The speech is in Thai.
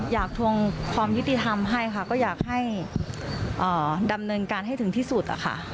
ทวงความยุติธรรมให้ค่ะก็อยากให้ดำเนินการให้ถึงที่สุดอะค่ะ